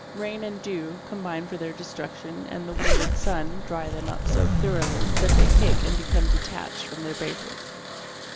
Rain and dew combine for their destruction and the wind and sun dry them up so thoroughly that they cake and become detached from their bases.